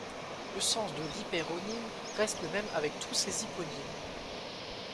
Le sens de l'hypéronyme reste le même avec tous ses hyponymes.